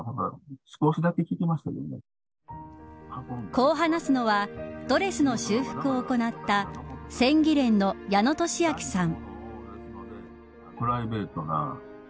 こう話すのはドレスの修復を行った染技連の矢野俊昭さん。